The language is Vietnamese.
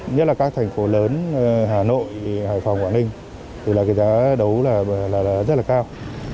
nhất là các thành phố lớn hà nội hải phòng quảng ninh thì là cái giá đấu là rất là cao